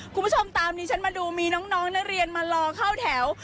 คุณผู้ชมตามดิฉันมาดูมีน้องนักเรียนมารอเข้าแถว